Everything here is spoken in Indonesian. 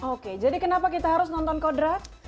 oke jadi kenapa kita harus nonton kodrat